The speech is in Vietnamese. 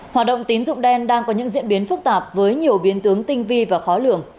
hoạt động tín dụng đen đang có những diễn biến phức tạp với nhiều biến tướng tinh vi và khó lường